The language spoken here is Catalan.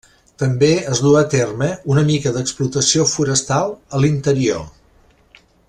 També es duu a terme una mica d'explotació forestal a l'interior.